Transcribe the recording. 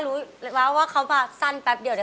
รู้สึกอิจฉาคุณแอมที่ได้คุณฝนแต่งกรณ์ให้